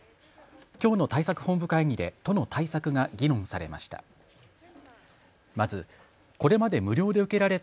きょうの対策本部会議で都の対策が議論されました。